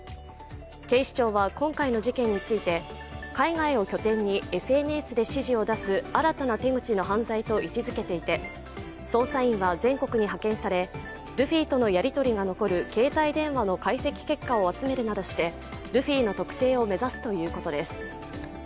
警視庁は今回の事件について海外を拠点にＳＮＳで指示を出す新たな手口の犯罪と位置づけていて、捜査員は全国に派遣され、ルフィとのやりとりが残る携帯電話の解析結果を集めるなどしてルフィの特定を目指すということです。